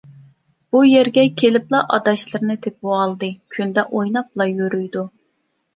بۇ يەرگە كېلىپلا ئاداشلىرىنى تېپىۋالدى، كۈندە ئويناپلا يۈرىدۇ.